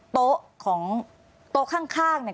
โต๊ะข้างเนี่ย